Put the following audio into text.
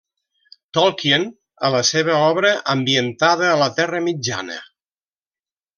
Tolkien a la seva obra ambientada a la Terra Mitjana.